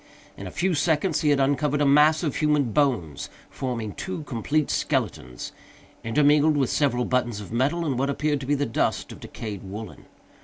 In a few seconds he had uncovered a mass of human bones, forming two complete skeletons, intermingled with several buttons of metal, and what appeared to be the dust of decayed woollen.